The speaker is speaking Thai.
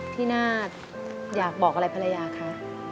นาคอยากบอกอะไรภรรยาคะ